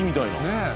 ねえ。